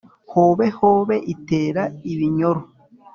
Hobe hobe itera ibinyoro.